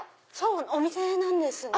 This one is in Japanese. お店なんですね。